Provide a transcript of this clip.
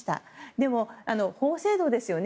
でも法制度ですよね。